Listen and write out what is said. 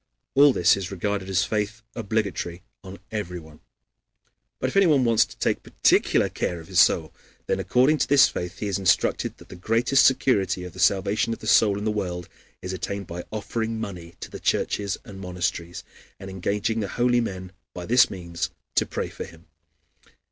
All this is regarded as faith obligatory on everyone. But if anyone wants to take particular care of his soul, then according to this faith he is instructed that the greatest security of the salvation of the soul in the world is attained by offering money to the churches and monasteries, and engaging the holy men by this means to pray for him.